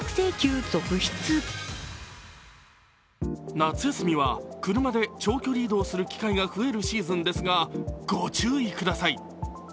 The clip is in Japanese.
夏休みは車で長距離移動する機会が増えるシーズンですがご注意ください。